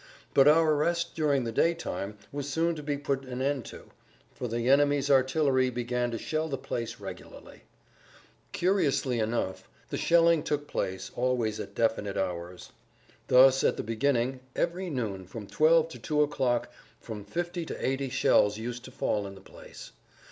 But our rest during the daytime was soon to be put an end to, for the enemy's artillery began to shell the place regularly. Curiously enough, the shelling took place always at definite hours. Thus, at the beginning, every noon from 12 to 2 o'clock from fifty to eighty shells used to fall in the place.